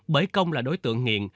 bởi công là đối tượng nghiện